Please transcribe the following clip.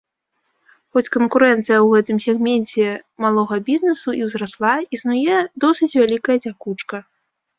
Хоць канкурэнцыя ў гэтым сегменце малога бізнесу і ўзрасла, існуе досыць вялікая цякучка.